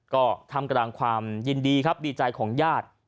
ก็ทำกระดังความยินดีดีใจของญาติ